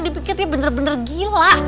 dipikirnya bener bener gila